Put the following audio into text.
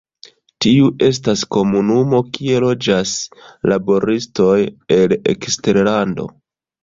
Tiu estas komunumo kie loĝas laboristoj el eksterlando.